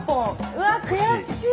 うわっ悔しい。